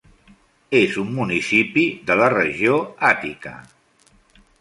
És un municipi de la regió Àtica.